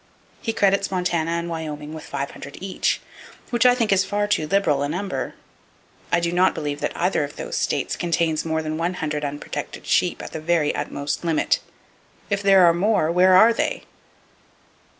He credits Montana and Wyoming with five hundred each—which I think is far too liberal a number. I do not believe that either of those states contains more than one hundred unprotected sheep, at the very utmost limit. If there are more, where are they?